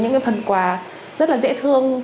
những cái phần quà rất là dễ thương